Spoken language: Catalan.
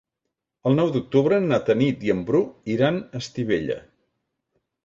El nou d'octubre na Tanit i en Bru iran a Estivella.